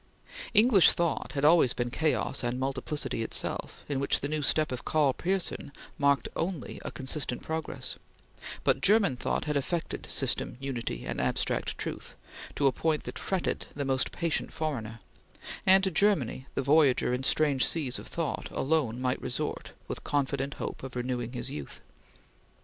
English thought had always been chaos and multiplicity itself, in which the new step of Karl Pearson marked only a consistent progress; but German thought had affected system, unity, and abstract truth, to a point that fretted the most patient foreigner, and to Germany the voyager in strange seas of thought alone might resort with confident hope of renewing his youth.